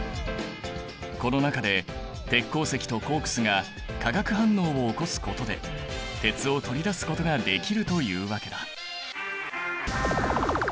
この中で鉄鉱石とコークスが化学反応を起こすことで鉄を取り出すことができるというわけだ。